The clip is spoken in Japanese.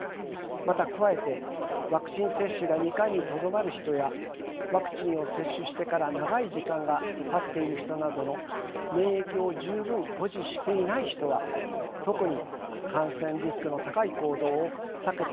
また加えてワクチン接種が２回にとどまる人やワクチンを接種してから長い時間がたっている人などの免疫を十分保持していない人は特に感染リスクの高い行動を避けていくことが重要になってきます。